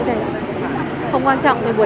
tao không có tiền chồng mày